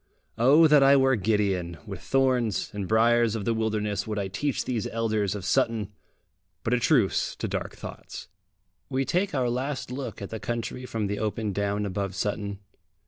Oh that I were Gideon! with thorns and briers of the wilderness would I teach these elders of Sutton! But a truce to dark thoughts! We take our last look at the country from the open down above Sutton.